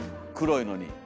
黒いのに。